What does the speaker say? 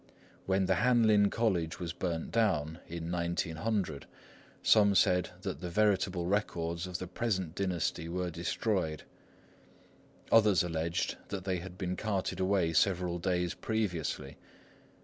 When the Hanlin College was burnt down, in 1900, some said that the "Veritable Records" of the present dynasty were destroyed. Others alleged that they had been carted away several days previously.